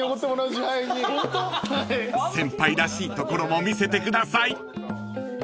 ［先輩らしいところも見せてください］